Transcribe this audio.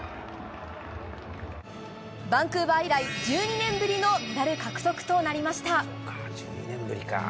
バンクーバー以来１２年ぶりのメダル獲得となりました。